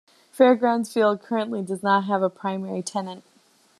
Fair Grounds Field currently does not have a primary tenant.